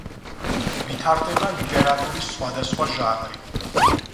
ვითარდება ლიტერატურის სხვადასხვა ჟანრი.